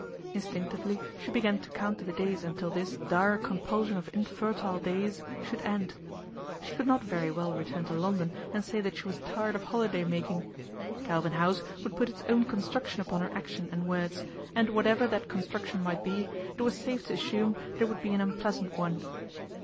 Instinctively she began to count the days until this " dire compulsion of infertile days " should end She could not very well return to Lon don and say that she was tired of holiday making. Galvin House would put its own construction upon her action and words, and whatever that construc tion might be, it was safe to assume that it would be an unpleasant one.